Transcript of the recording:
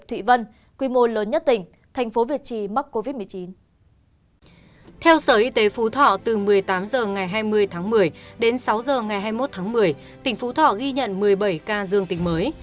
theo sở y tế phú thọ từ một mươi tám h ngày hai mươi tháng một mươi đến sáu h ngày hai mươi một tháng một mươi tỉnh phú thọ ghi nhận một mươi bảy ca dương tính mới